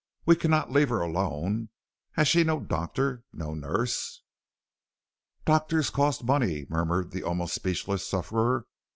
'We cannot leave her here alone. Has she no doctor no nurse?' "'Doctors cost money,' murmured the almost speechless sufferer.